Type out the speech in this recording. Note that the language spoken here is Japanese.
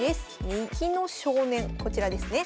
右の少年こちらですね。